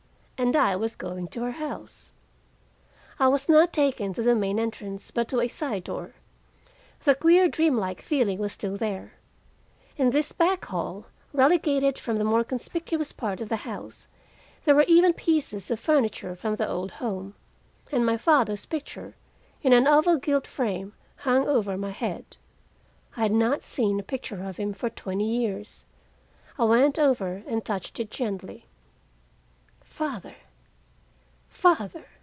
And I was going to her house! I was not taken to the main entrance, but to a side door. The queer dream like feeling was still there. In this back hall, relegated from the more conspicuous part of the house, there were even pieces of furniture from the old home, and my father's picture, in an oval gilt frame, hung over my head. I had not seen a picture of him for twenty years. I went over and touched it gently. "Father, father!"